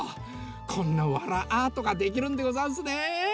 こんなわらアートができるんでござんすね！